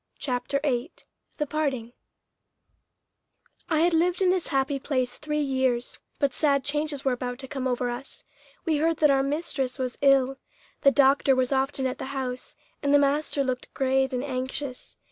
CHAPTER VIII THE PARTING I had lived in this happy place three years, but sad changes were about to come over us. We heard that our mistress was ill. The doctor was often at the house, and the master looked grave and anxious.